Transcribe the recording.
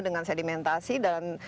dengan sedimentasi dan